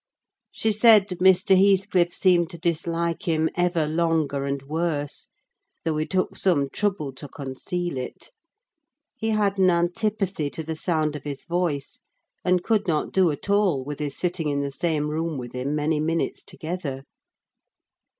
She said Mr. Heathcliff seemed to dislike him ever longer and worse, though he took some trouble to conceal it: he had an antipathy to the sound of his voice, and could not do at all with his sitting in the same room with him many minutes together.